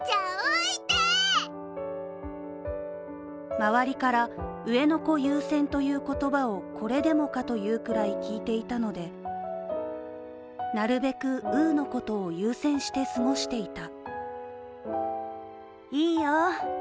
周りから上の子優先という言葉をこれでもかというくらい聞いていたので、なるべく、うーのことを優先して過ごしていた。